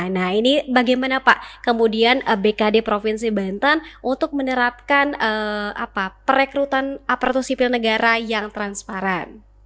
nah ini bagaimana pak kemudian bkd provinsi banten untuk menerapkan perekrutan aparatur sipil negara yang transparan